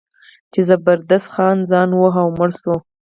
چې زبردست خان ځان وواهه او مړ شو.